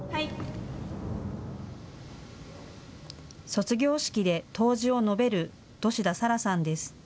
卒業式で答辞を述べる土信田紗羅さんです。